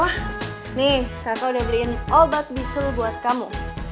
wah nih kakak udah beliin obat bisul buat kamu